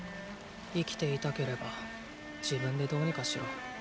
生きていたければ自分でどうにかしろ。